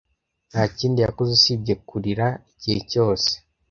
Nta kindi yakoze usibye kurira igihe cyose.